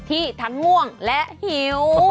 ที่ทั้งง่วงและหิว